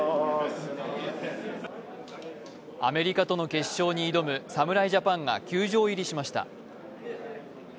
アメリカとの決勝に挑む侍ジャパンが球場入りしました。